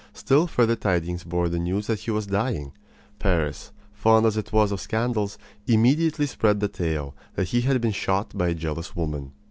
Still further tidings bore the news that he was dying. Paris, fond as it was of scandals, immediately spread the tale that he had been shot by a jealous woman.